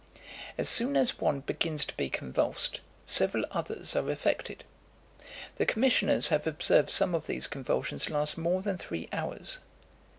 As soon as one begins to be convulsed, several others are affected. The commissioners have observed some of these convulsions last more than three hours.